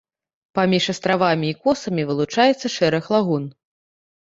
Паміж астравамі і косамі вылучаецца шэраг лагун.